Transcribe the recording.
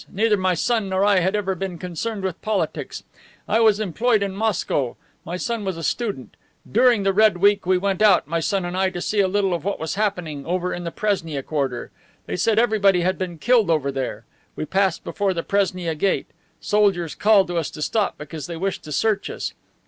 Neither my son nor I had ever been concerned with politics. I was employed in Moscow. My son was a student. During the Red Week we went out, my son and I, to see a little of what was happening over in the Presnia quarter. They said everybody had been killed over there! We passed before the Presnia gate. Soldiers called to us to stop because they wished to search us.